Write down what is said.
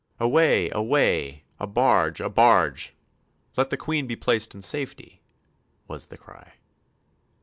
"Away, away! a barge, a barge! let the Queen be placed in safety!" was the cry.